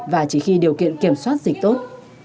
và chỉ khi điều kiện kiểm soát dịch tốt